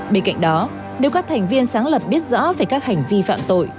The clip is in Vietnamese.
bên cạnh đó nếu các thành viên sáng lập biết rõ về các hành vi phạm tội